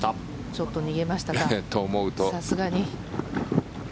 ちょっと逃げましたかさすがに。